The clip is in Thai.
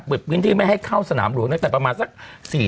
ปิดพื้นที่ไม่ให้เข้าสนามหลวงเนี่ยแต่ประมาณสัก๔ทุ่ม